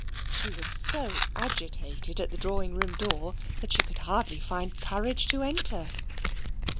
She was so agitated at the drawing room door, that she could hardly find courage to enter.